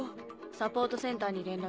サポートセンターに連絡。